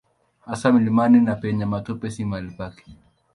Hasa mlimani na penye matope si mahali pake.